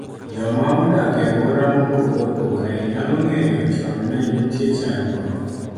joma odak e alwora mopogore opogore nyalo ng'eyo chon ni nitie chandruok